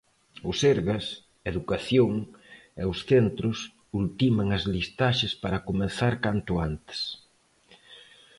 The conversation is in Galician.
O Sergas, Educación e os centros ultiman as listaxes para comezar canto antes.